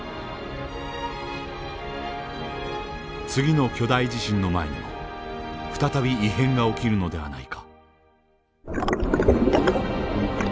次の巨大地震の前にも再び異変が起きるのではないか。